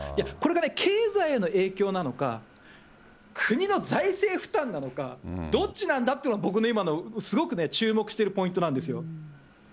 これがね、経済への影響なのか、国の財政負担なのか、どっちなんだっていうのが、僕の今の、すごく注目してるポイントなんですよ。